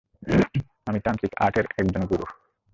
আমি তান্ত্রিক আর্টের একজন গুরু।